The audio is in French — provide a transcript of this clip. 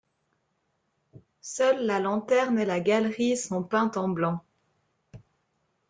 Seul la lanterne et la galerie sont peintes en blanc.